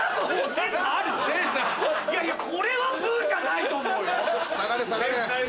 いやいやこれはブじゃないと思うよ。